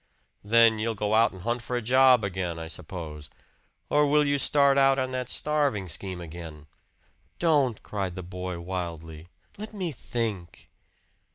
"Then you'll go out and hunt for a job again, I suppose? Or will you start out on that starving scheme again?" "Don't!" cried the boy wildly. "Let me think!"